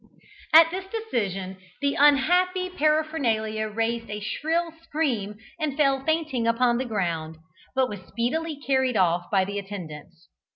At this decision the unhappy Paraphernalia raised a shrill scream and fell fainting upon the ground, but was speedily carried off by the attendants.